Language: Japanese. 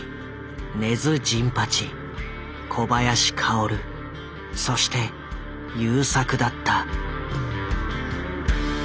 根津甚八小林薫そして優作だった。